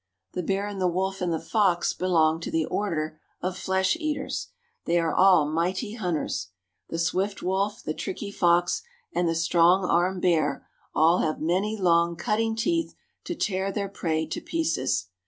The bear and the wolf and the fox belong to the Order of Flesh Eaters. They are all mighty hunters. The swift wolf, the tricky fox, and the strong armed bear all have many long, cutting teeth to tear their prey to pieces.